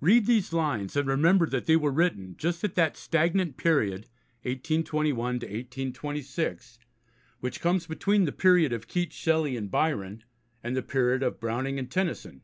Read these lines, and remember that they were written just at that stagnant period (1821 1826) which comes between the period of Keats, Shelley, and Byron, and the period of Browning and Tennyson.